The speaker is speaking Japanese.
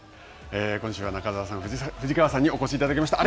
今週は中澤さん、藤川さんにお越しいただきました。